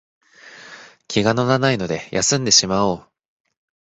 気が乗らないので休んでしまおう